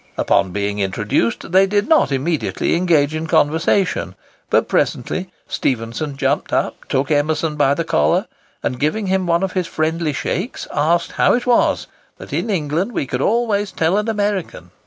Upon being introduced, they did not immediately engage in conversation; but presently Stephenson jumped up, took Emerson by the collar, and giving him one of his friendly shakes, asked how it was that in England we could always tell an American?